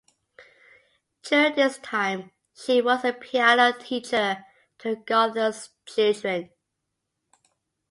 During this time she was a piano teacher to Gauthier's children.